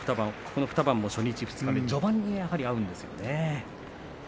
この２番も初日、二日目序盤に合っているんですね。